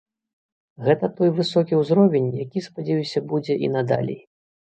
Гэта той высокі ўзровень, які, спадзяюся, будзе і надалей.